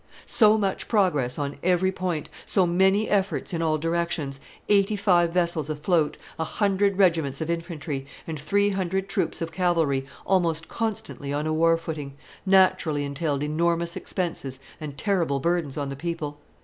So much progress on every point, so many efforts in all directions, eighty five vessels afloat, a hundred regiments of infantry, and three hundred troops of cavalry, almost constantly on a war footing, naturally entailed enormous expenses and terrible burdens on the people.